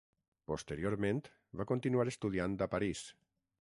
Posteriorment, va continuar estudiant a París.